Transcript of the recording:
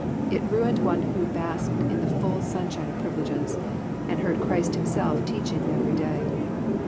It ruined one who basked in the full sunshine of privileges, and heard Christ Himself teaching every day.